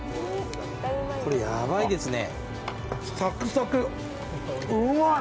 これやばいですね